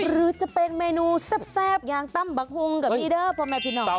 หรือจะเป็นเมนูแซบอย่างตั้มบักฮุงกับอีเดอร์พอไม่พินออกทาน